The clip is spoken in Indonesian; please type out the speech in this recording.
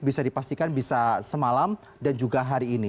bisa dipastikan bisa semalam dan juga hari ini